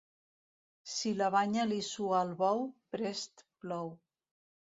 Si la banya li sua al bou, prest plou.